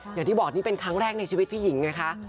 เดี๋ยวที่บอกนี่เป็นครั้งแรกในชีวิตผู้หญิงค่ะ